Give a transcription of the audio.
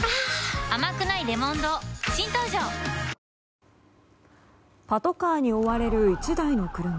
本麒麟パトカーに追われる１台の車。